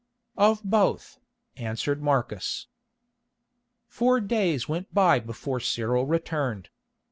"Of both," answered Marcus. Four days went by before Cyril returned.